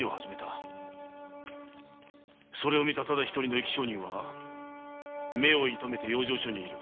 それを見たただ一人の生き証人は目を傷めて養生所に居る。